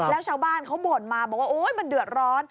แล้วชาวบ้านบ่นมาบอกว่ามันเดือดร้อน